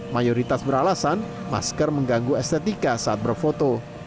mayoritas beralasan masker mengganggu estetika saat berfoto